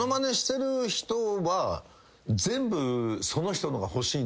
全部。